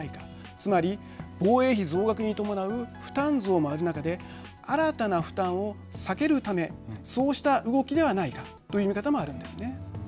つまり防衛費増額に伴う負担増もある中で新たな負担を避けるためそうした動きではないかという見方もあるんですね。